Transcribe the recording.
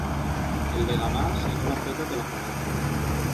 El de Gavà, si no l'ha feta, te la farà.